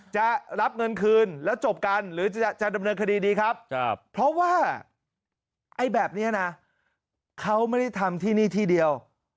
จะรับเงินคืนแล้วจบกันหรือจะดำเนินคดีดีครับเพราะว่าไอ้แบบนี้นะเขาไม่ได้ทำที่นี่ที่เดียว